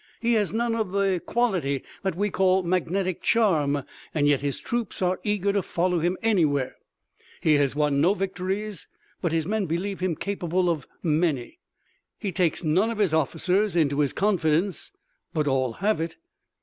He has none of the quality that we call magnetic charm, and yet his troops are eager to follow him anywhere. He has won no victories, but his men believe him capable of many. He takes none of his officers into his confidence, but all have it.